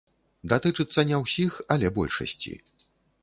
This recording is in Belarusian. Датычыцца не ўсіх, але большасці.